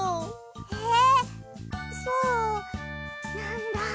えっそうなんだ。